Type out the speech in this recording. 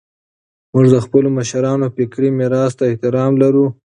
موږ د خپلو مشرانو فکري میراث ته احترام لرو.